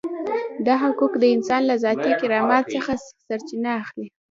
دا حقوق د انسان له ذاتي کرامت څخه سرچینه اخلي.